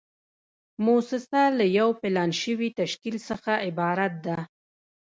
موسسه له یو پلان شوي تشکیل څخه عبارت ده.